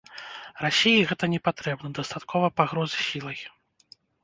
Расіі гэта не патрэбна, дастаткова пагрозы сілай.